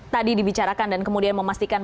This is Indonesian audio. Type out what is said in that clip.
tadi dibicarakan dan kemudian memastikan